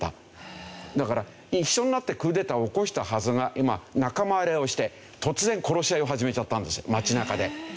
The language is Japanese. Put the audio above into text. だから一緒になってクーデターを起こしたはずが今仲間割れをして突然殺し合いを始めちゃったんです街中で。